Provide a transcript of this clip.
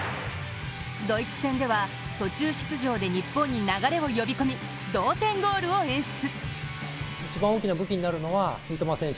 ドイツ戦では途中出場で日本に流れを呼び込み同点ゴールを演出。